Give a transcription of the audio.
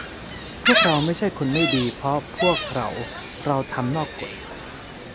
พวกเราไม่ใช่คนไม่ดีเพราะพวกเราเราทำนอกกฏ